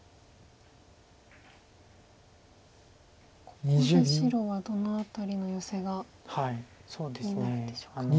ここで白はどの辺りのヨセが気になるんでしょうか。